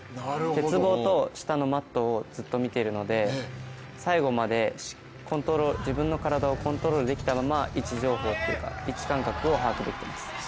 鉄棒と下のマットをずっと見ているので、最後まで自分の体をコントロールできたまま位置情報というか、位置感覚を把握できています。